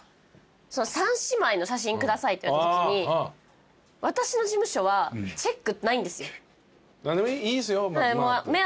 三姉妹の写真下さいって言われたときに私の事務所はチェックないんですよ。